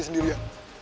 gue sendiri ya